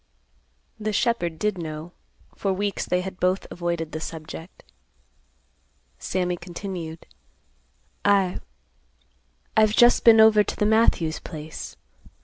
The shepherd did know. For weeks they had both avoided the subject. Sammy continued; "I—I've just been over to the Matthews place.